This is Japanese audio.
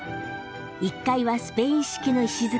１階はスペイン式の石造り。